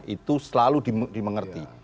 itu selalu dimengerti